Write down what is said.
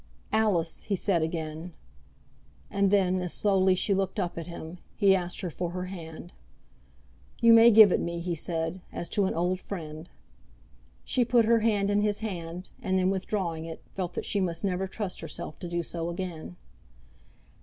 "Alice," he said again. And then, as slowly she looked up at him, he asked her for her hand. "You may give it me," he said, "as to an old friend." She put her hand in his hand, and then, withdrawing it, felt that she must never trust herself to do so again.